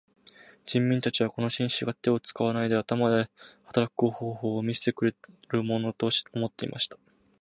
人民たちはこの紳士が手を使わないで頭で働く方法を見せてくれるものと思っていました。